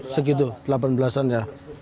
segitu delapan belas an ya